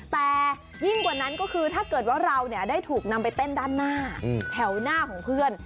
แต่ยิ่งกว่านั้นก็คือถ้าเกิดว่าเราได้ถูกนำไปเต้นด้านหน้าแถวหน้าของเพื่อน